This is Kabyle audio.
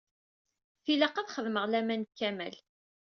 Tilaq ad xedmeɣ laman deg Kamal.